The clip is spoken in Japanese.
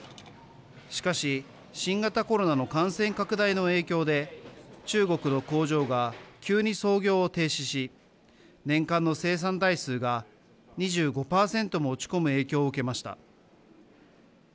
しかし新型コロナの感染拡大の影響で中国の工場が急に操業を停止し年間の生産台数が２５％も落ち込む影響を受けました。